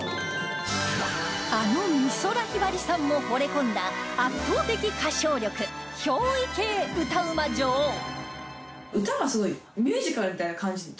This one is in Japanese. あの美空ひばりさんもほれ込んだ圧倒的歌唱力憑依系歌うま女王歌がすごいミュージカルみたいな感じじゃないですか。